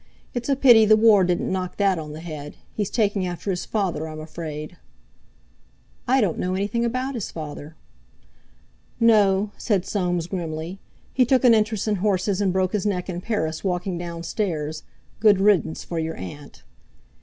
"It's a pity the War didn't knock that on the head. He's taking after his father, I'm afraid." "I don't know anything about his father." "No," said Soames, grimly. "He took an interest in horses and broke his neck in Paris, walking down stairs. Good riddance for your aunt."